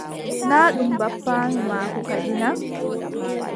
Naa ɗum bappaayo maako kadi na.